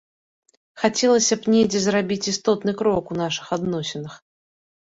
Хацелася б недзе зрабіць істотны крок у нашых адносінах.